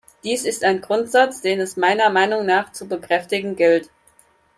Dies ist ein Grundsatz, den es meiner Meinung nach zu bekräftigen gilt.